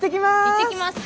いってきます！